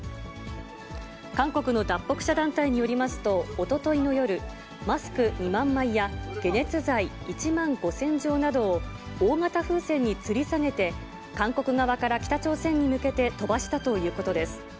韓国の脱北者団体によりますと、おとといの夜、マスク２万枚や解熱剤１万５０００錠などを、大型風船につり下げて、韓国側から北朝鮮に向けて飛ばしたということです。